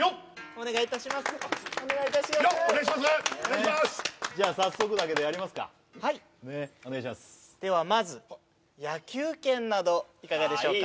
お願いしますじゃあ早速だけどやりますかはいお願いしますではまず野球けんなどいかがでしょうか？